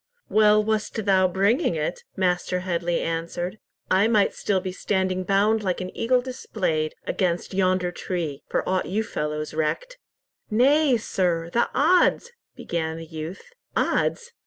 "Well wast thou bringing it," Master Headley answered. "I might be still standing bound like an eagle displayed, against yonder tree, for aught you fellows recked." "Nay, sir, the odds—" began the youth. "Odds!